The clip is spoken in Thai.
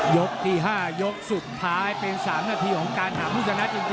ยกที่๕ยกสุดท้ายเป็น๓นาทีของการหาผู้ชนะจริง